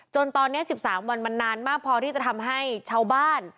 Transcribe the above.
จนตอนเนี้ยสิบสามวันมันนานมากพอที่จะทำให้ชาวบ้าน